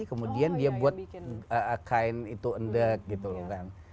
kemudian dia buat kain itu endek gitu loh kan